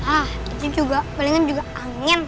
ah kecil juga palingan juga angin